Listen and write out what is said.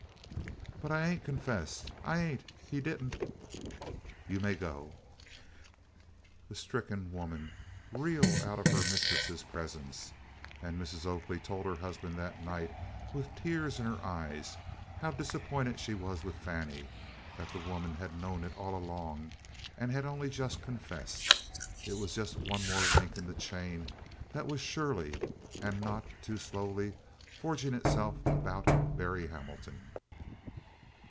"But I ain't confessin'! I ain't! He did n't " "You may go." The stricken woman reeled out of her mistress's presence, and Mrs. Oakley told her husband that night, with tears in her eyes, how disappointed she was with Fannie, that the woman had known it all along, and had only just confessed. It was just one more link in the chain that was surely and not too slowly forging itself about Berry Hamilton.